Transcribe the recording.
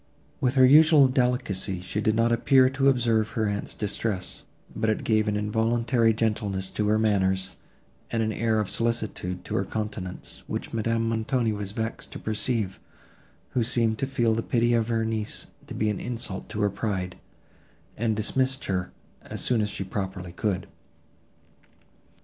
With her usual delicacy, she did not appear to observe her aunt's distress, but it gave an involuntary gentleness to her manners, and an air of solicitude to her countenance, which Madame Montoni was vexed to perceive, who seemed to feel the pity of her niece to be an insult to her pride, and dismissed her as soon as she properly could.